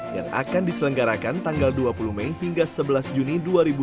yang akan diselenggarakan tanggal dua puluh mei hingga sebelas juni dua ribu dua puluh